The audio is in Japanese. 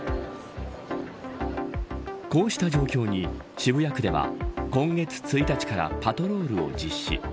こうした状況に渋谷区では今月１日からパトロールを実施。